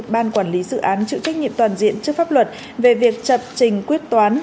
ban quản lý dự án chịu trách nhiệm toàn diện trước pháp luật về việc chập trình quyết toán